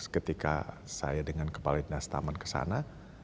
ketika saya dengan kepala indah setaman ke sana